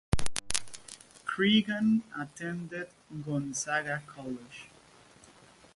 Cregan attended Gonzaga College.